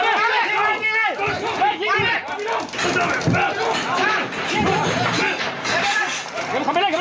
เละตุ้งเป๊ะ